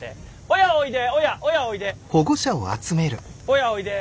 親おいで。